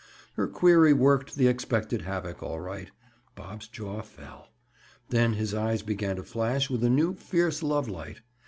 Her query worked the expected havoc, all right. Bob's jaw fell. Then his eyes began to flash with a new fierce love light.